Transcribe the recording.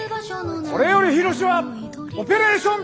これより緋炉詩はオペレーション